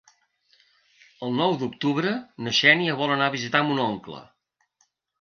El nou d'octubre na Xènia vol anar a visitar mon oncle.